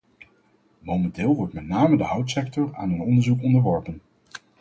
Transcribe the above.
Momenteel wordt met name de houtsector aan een onderzoek onderworpen.